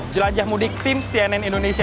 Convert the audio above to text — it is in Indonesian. jelajah mudik tim cnn indonesia